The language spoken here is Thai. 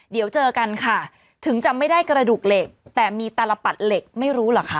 เดี๋ยวเจอกันค่ะถึงจะไม่ได้กระดูกเหล็กแต่มีตลปัดเหล็กไม่รู้เหรอคะ